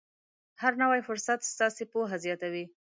هر نوی فرصت ستاسې پوهه زیاتوي.